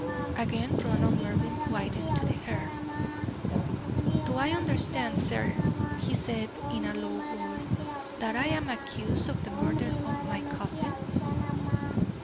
Again Ronald Mervyn whitened to the hair. "Do I understand, sir," he said in a low voice, "that I am accused of the murder of my cousin?"